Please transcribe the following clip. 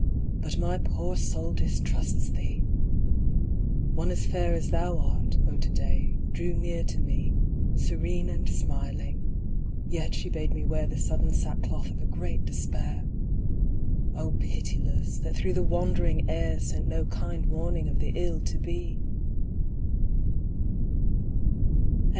But my poor soul distrusts thee ! One as fair' As thou art, O To day, drew near to me. Serene and smiling, yet she bade me wear The sudden sackcloth of a great despair ! O, pitiless ! that through the wandering air Sent no kind warning of the ill to be